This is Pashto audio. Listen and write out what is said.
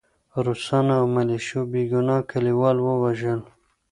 روسانو او ملیشو بې ګناه کلیوال ووژل